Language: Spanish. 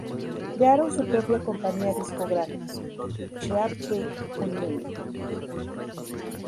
Crearon su propia compañía discográfica, Cheap Trick Unlimited.